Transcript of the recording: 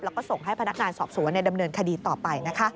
แล้วก็ส่งให้พนักงานสอบสวนดำเนินคดีต่อไปนะคะ